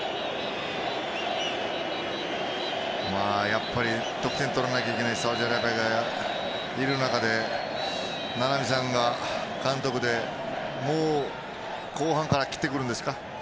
やっぱり得点を取らないといけないサウジアラビアがいる中で名波さんが監督だと後半から切ってくるんですか？